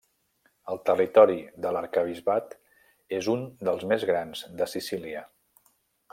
El territori de l'arquebisbat és un dels més grans de Sicília.